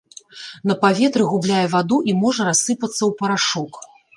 На паветры губляе ваду і можа рассыпацца ў парашок.